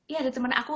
iya ada temen aku